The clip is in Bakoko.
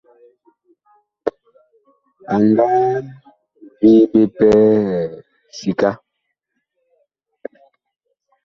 A nga vii ɓe pɛ sika.